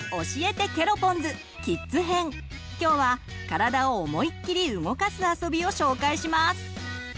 今日は体を思いっきり動かすあそびを紹介します。